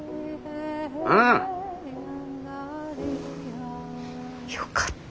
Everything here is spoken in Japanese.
うん。よかった。